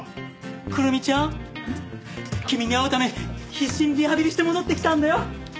くるみちゃん君に会うため必死にリハビリして戻ってきたんだよ。